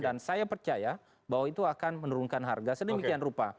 dan saya percaya bahwa itu akan menurunkan harga sedemikian rupa